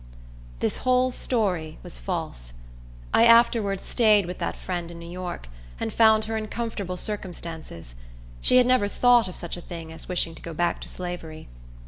This whole story was false. I afterwards staid with that friend in New York, and found her in comfortable circumstances. She had never thought of such a thing as wishing to go back to slavery.